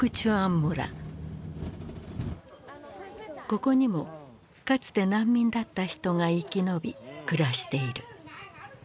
ここにもかつて難民だった人が生き延び暮らしている。